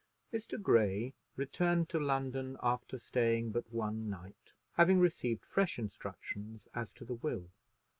Mr. Grey returned to London after staying but one night, having received fresh instructions as to the will.